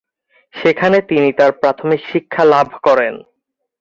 সেখানে তিনি তাঁর প্রাথমিক শিক্ষা লাভ করেন।